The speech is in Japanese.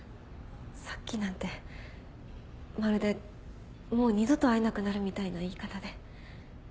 さっきなんてまるでもう二度と会えなくなるみたいな言い方で。